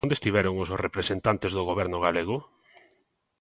¿Onde estiveron os representantes do Goberno galego?